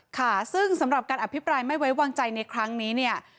ค่ะซึ่งสำหรับการอภิปรายไม่ไว้วางใจในครั้งนี้เนี่ย